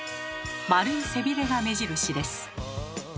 丸い背びれが目印です。